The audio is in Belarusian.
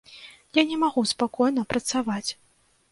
Я не магу спакойна працаваць.